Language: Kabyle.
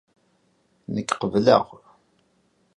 Nekk qeble?.